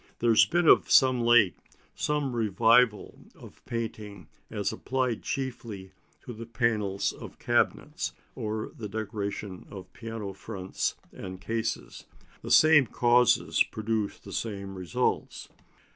There has been of late some revival of painting as applied chiefly to the panels of cabinets, or the decoration of piano fronts and cases. The same causes produce the same results.